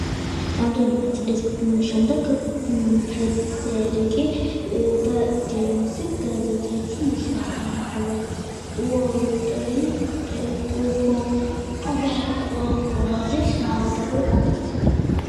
რამდენიმე წლის შემდეგ ფრედერიკი და ჯეიმზი გაზეთებში მუშაობდნენ, ხოლო უოლტერი, ტუბერკულოზით დაავადებული, გარდაიცვალა.